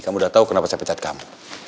kamu udah tahu kenapa saya pecat kamu